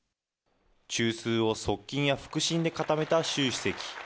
中枢を側近や腹心で固めた習主席。